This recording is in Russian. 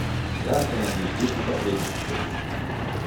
Я остановлюсь лишь на последнем аспекте.